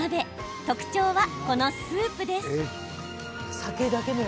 特徴は、このスープです。